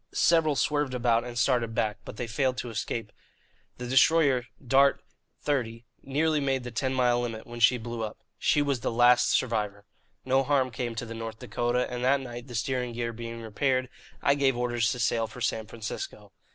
Several swerved about and started back, but they failed to escape. The destroyer, Dart XXX, nearly made the ten mile limit when she blew up. She was the last survivor. No harm came to the North Dakota, and that night, the steering gear being repaired, I gave orders to sail for San Francisco."